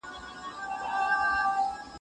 هیوادونه د سولي هڅې بې له پلان نه نه کوي.